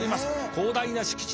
広大な敷地です。